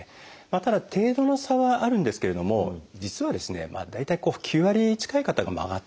ただ程度の差はあるんですけれども実はですね大体９割近い方が曲がってるといわれてます。